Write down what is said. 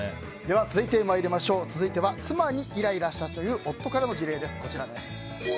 続いては妻にイライラしたという夫からの事例です。